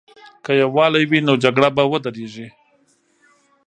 که یووالی وي، نو جګړه به ودریږي.